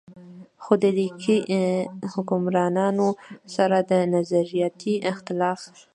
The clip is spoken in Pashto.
خو د ليګي حکمرانانو سره د نظرياتي اختلاف